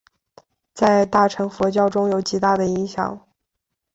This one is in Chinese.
在大乘佛教中有着极大影响。